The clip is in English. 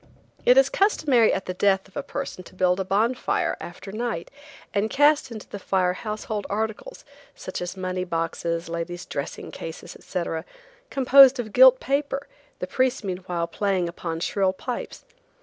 It is customary at the death of a person to build a bonfire after night, and cast into the fire household articles, such as money boxes, ladies' dressing cases, etc., composed of gilt paper, the priests meanwhile playing upon shrill pipes.